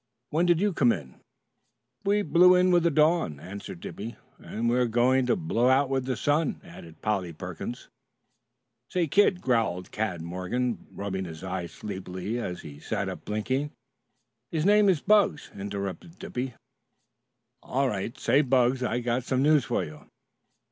"When did you come in?" "We blew in with the dawn," answered Dippy. "And we're going to blow out with the sun," added Polly Perkins. "Say, Kid," growled Cad Morgan, rubbing his eyes sleepily as he sat up blinking. "His name is Bugs," interrupted Dippy. "All right. Say, Bugs, I've got some news for you."